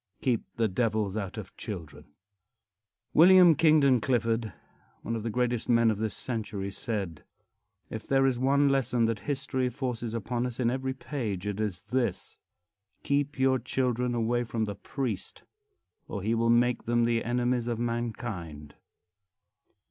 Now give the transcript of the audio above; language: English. VIII. KEEP THE DEVILS OUT OF CHILDREN. William Kingdon Clifford, one of the greatest men of this century, said: "If there is one lesson that history forces upon us in every page, it is this: Keep your children away from the priest, or he will make them the enemies of mankind."